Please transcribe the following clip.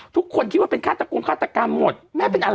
ทุกคนคิดว่าเป็นฆาตกรฆาตกรรมหมดแม่เป็นอะไร